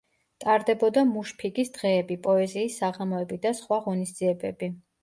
ტარდებოდა მუშფიგის დღეები, პოეზიის საღამოები და სხვა ღონისძიებები.